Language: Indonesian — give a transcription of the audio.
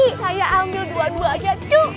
saya ambil dua duanya cu